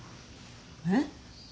えっ？